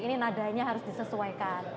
ini nadanya harus disesuaikan